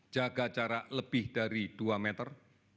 jaga jarak lebih dari dua meter